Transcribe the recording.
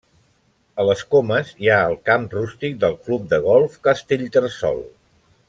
A les Comes hi ha el camp rústic del Club de Golf Castellterçol.